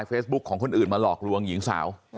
น้าสาวของน้าผู้ต้องหาเป็นยังไงไปดูนะครับ